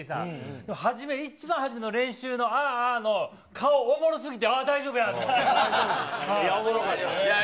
でも初め、一番初めの練習の、ああ、ああの顔、おもろすぎてああ、大丈夫やと思って。